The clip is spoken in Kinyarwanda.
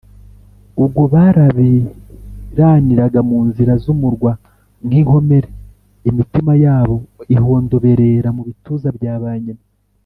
Ubwo barabiraniraga mu nzira z’umurwa nk’inkomere, Imitima yabo ihondoberera mu bituza bya ba nyina.